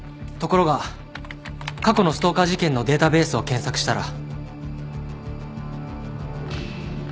ところが過去のストーカー事件のデータベースを検索したら。